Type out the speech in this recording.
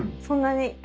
そんなに？